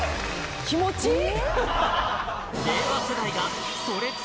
気持ちいい！